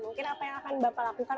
mungkin apa yang akan bapak lakukan